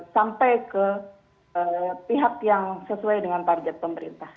sampai ke pihak yang sesuai dengan target pemerintah